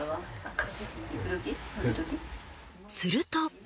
すると。